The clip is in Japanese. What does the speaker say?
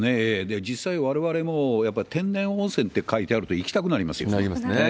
実際、われわれもやっぱり天然温泉って書いてあると行きたくなりますよね。